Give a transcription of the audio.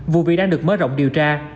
vụ việc đang được mớ rộng điều tra